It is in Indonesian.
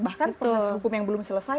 bahkan proses hukum yang belum selesai